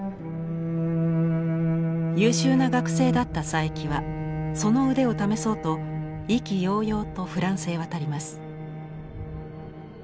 優秀な学生だった佐伯はその腕を試そうと意気揚々とフランスへ渡ります。